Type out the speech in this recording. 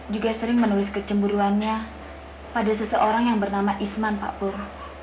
juga sering menulis kecemburuannya pada seseorang yang bernama isman pak pur